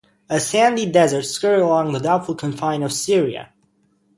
A sandy desert skirted along the doubtful confine of Syria.